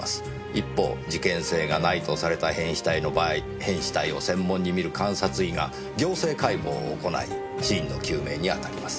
一方事件性がないとされた変死体の場合変死体を専門に診る監察医が行政解剖を行い死因の究明に当たります。